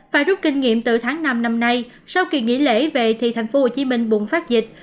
phải rút kinh nghiệm từ tháng năm năm nay sau kỳ nghỉ lễ về thì thành phố hồ chí minh bùng phát dịch